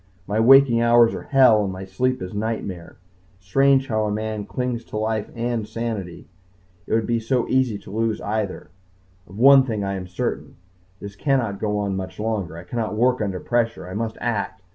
My waking hours are hell and my sleep is nightmare. Strange how a man clings to life and sanity. It would be so easy to lose either. Of one thing I am certain this cannot go on much longer. I cannot work under pressure. I must act.